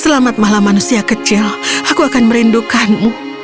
selamat malam manusia kecil aku akan merindukanmu